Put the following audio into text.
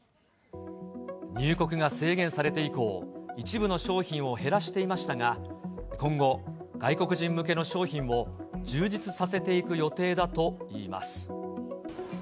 入国が制限されて以降、一部の商品を減らしていましたが、今後、外国人向けの商品も充実させていく予定だといいます。